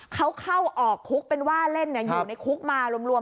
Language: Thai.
เขาเข้าออกคุกเป็นว่าเล่นอยู่ในคุกมารวม